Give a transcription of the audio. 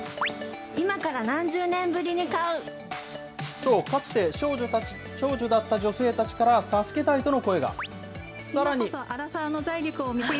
と、かつて少女だった女性たちから助けたいとの声が。